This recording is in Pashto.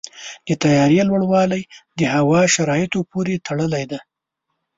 د طیارې لوړوالی د هوا شرایطو پورې تړلی دی.